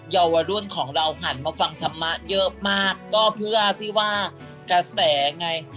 เยาวรุ่นของเราหันมาฟังธรรมะเยอะมากก็เพื่อที่ว่ากระแสไง